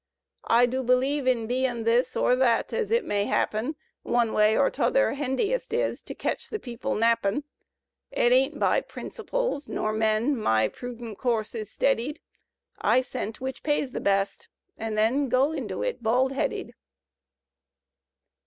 ••••••• I du believe in bein' this Or thet, ez it may happen One way or t' other hendiest is To ketch the people nappin'; It ain't by princerples nor men My preudent course is steadied, — I scent which pays the best, an' then Go into it baldheaded.